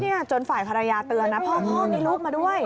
จนฝ่ายภรรยาเตือนนะพ่อพ่อมีลูกมาด้วย